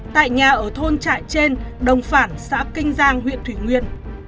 tại nhà ở thôn trại trên đồng phản xã kinh giang huyện thủy nguyên